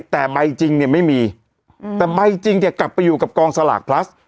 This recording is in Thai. แต่ใบจริงเนี่ยไม่มีแต่ใบจริงจะกลับไปอยู่กับกองสลากพลัส